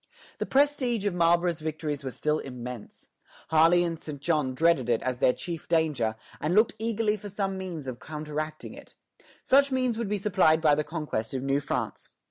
The prestige of Marlborough's victories was still immense. Harley and St. John dreaded it as their chief danger, and looked eagerly for some means of counteracting it. Such means would be supplied by the conquest of New France.